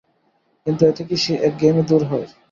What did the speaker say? কিন্তু এতে কি সেই একঘেয়েমি দূর হয়?